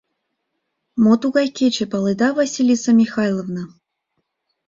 Мо тугай кече, паледа, Василиса Михайловна?